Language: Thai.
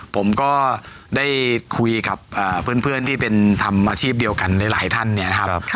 ผมก็ได้คุยกับเพื่อนที่เป็นทำอาชีพเดียวกันหลายท่านเนี่ยนะครับ